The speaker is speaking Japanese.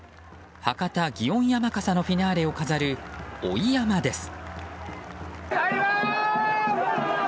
博多祇園山笠のフィナーレを飾る追い山です。